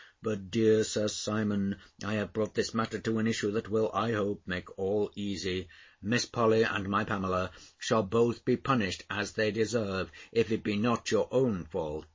But, dear Sir Simon, I have brought this matter to an issue, that will, I hope, make all easy; Miss Polly, and my Pamela, shall both be punished as they deserve, if it be not your own fault.